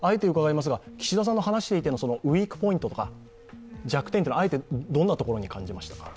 岸田さんと話していて、ウィークポイントとか弱点はどんなところに感じましたか？